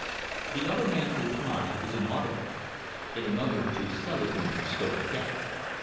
The other man's reply was inaudible. In a moment or two Selingman spoke again.